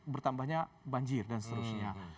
bertambahnya banjir dan seterusnya